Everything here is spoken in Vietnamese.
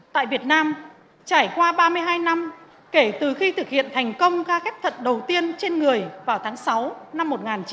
tại việt nam trải qua ba mươi hai năm kể từ khi thực hiện thành công ca ghép thận đầu tiên trên người vào tháng sáu năm một nghìn chín trăm bảy mươi